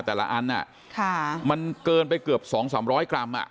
แต่ละอันอ่ะค่ะมันเกินไปเกือบสองสามร้อยกรัมอ่ะ